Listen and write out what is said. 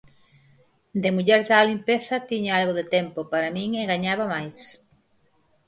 De muller da limpeza tiña algo de tempo para min e gañaba máis.